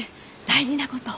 大事なこと？